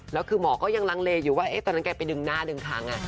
แล้วคือหมอก็ยังลังเลอยู่ว่าตอนนั้นแกไปดึงหน้าดึงครั้ง